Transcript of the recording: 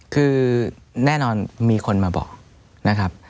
คือแน่นอนมีคนมาบอกนะครับ